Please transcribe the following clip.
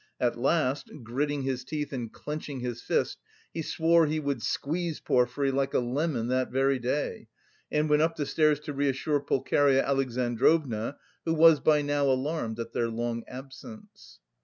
At last, gritting his teeth and clenching his fist, he swore he would squeeze Porfiry like a lemon that very day, and went up the stairs to reassure Pulcheria Alexandrovna, who was by now alarmed at their long absence.